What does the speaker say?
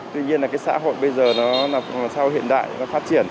tuy nhiên là cái xã hội bây giờ nó là xã hội hiện đại nó phát triển